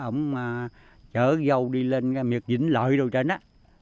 ổng chở dâu đi lên miệt vĩnh lợi đồ trên đó